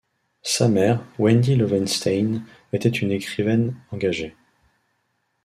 Sa mère, Wendy Lowenstein, était une écrivaine engagée.